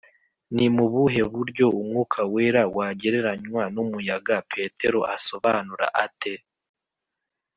Ni mu buhe buryo umwuka wera wagereranywa n umuyaga petero asobanura ate